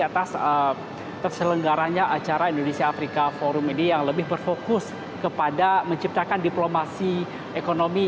atas terselenggaranya acara indonesia afrika forum ini yang lebih berfokus kepada menciptakan diplomasi ekonomi